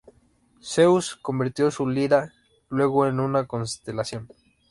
Zeus convirtió su lira luego en una constelación.